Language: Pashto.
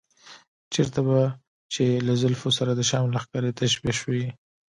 چېرته به چې له زلفو سره د شام لښکرې تشبیه شوې.